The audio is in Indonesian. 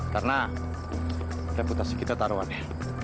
karena reputasi kita taruhan ya